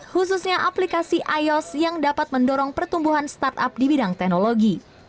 khususnya aplikasi ios yang dapat mendorong pertumbuhan startup di bidang teknologi